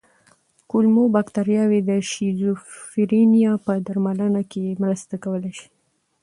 کولمو بکتریاوې د شیزوفرینیا په درملنه کې مرسته کولی شي.